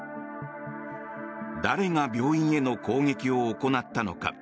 誰が病院への攻撃を行ったのか。